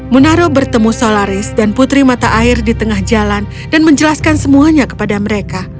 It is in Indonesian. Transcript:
munaro bertemu solaris dan putri mata air di tengah jalan dan menjelaskan semuanya kepada mereka